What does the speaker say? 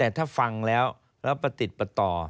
แต่ถ้าฟังแล้วแล้วไปติดไปต่อ